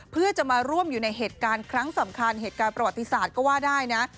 เพื่อจะมาร่วมอยู่ในเหตุการณ์ครั้งสำคัญเหตุการณ์ประวัติศาสตร์ก็ว่าได้นะ